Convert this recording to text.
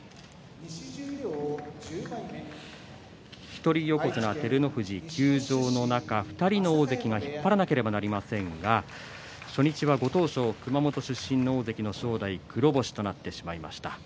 一人横綱照ノ富士休場の中２人の大関が引っ張らなければなりませんが初日はご当所熊本出身の大関正代、黒星となってしまいました。